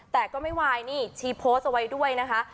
แต่ก็ไม่วายนี่ชี้โพสต์เอาไว้ด้วยนะคะ